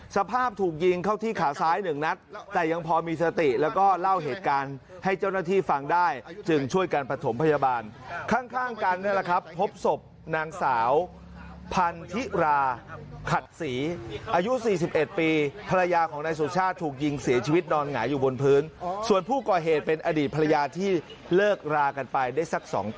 สภาพถูกยิงเข้าที่ขาซ้ายหนึ่งนัดแต่ยังพอมีสติแล้วก็เล่าเหตุการณ์ให้เจ้าหน้าที่ฟังได้จึงช่วยกันประถมพยาบาลข้างกันนี่แหละครับพบศพนางสาวพันธิราขัดศรีอายุ๔๑ปีภรรยาของนายสุชาติถูกยิงเสียชีวิตนอนหงายอยู่บนพื้นส่วนผู้ก่อเหตุเป็นอดีตภรรยาที่เลิกรากันไปได้สัก๒ปี